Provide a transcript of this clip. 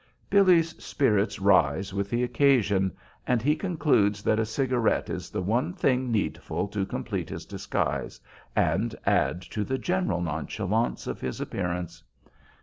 Billy's spirits rise with the occasion, and he concludes that a cigarette is the one thing needful to complete his disguise and add to the general nonchalance of his appearance.